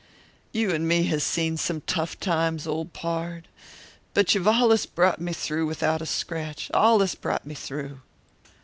You and me has seen some tough times, old pard; but you've allus brought me through without a scratch; allus brought me through."